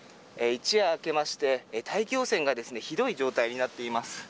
一夜明けまして、大気汚染がひどい状態になっています。